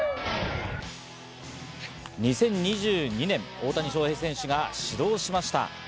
２０２２年、大谷翔平選手がついに始動しました。